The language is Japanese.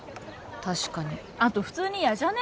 確かにあと普通にやじゃね？